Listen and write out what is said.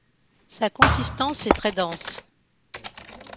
Sa consistance est très dense.